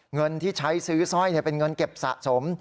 เงินที่ใช้ซื้อสร้อยเป็นเงินเก็บสะสม